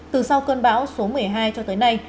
từ sau cơn bão số một mươi hai cho tới nay